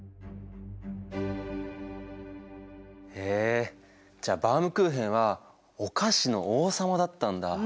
へえじゃあバウムクーヘンはお菓子の王様だったんだ。